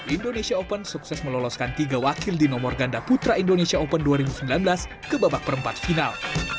indonesia open sukses meloloskan tiga wakil di nomor ganda putra indonesia open dua ribu sembilan belas ke babak perempat final